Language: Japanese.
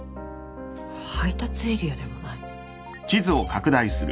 配達エリアでもない。